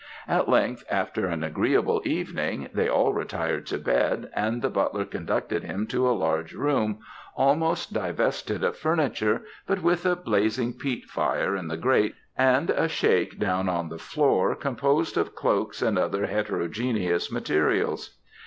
"At length, after an agreeable evening, they all retired to bed, and the butler conducted him to a large room, almost divested of furniture, but with a blazing peat fire in the grate, and a shake down on the floor, composed of cloaks and other heterogeneous materials.